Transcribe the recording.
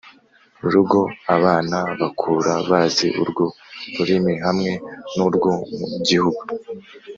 rugo abana bakura bazi urwo rurimi hamwe n urwo mu gihugu